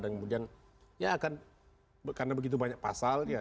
dan kemudian ya akan karena begitu banyak pasal